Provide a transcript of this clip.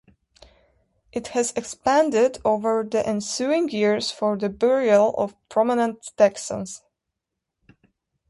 It has expanded over the ensuing years for the burial of "prominent" Texans.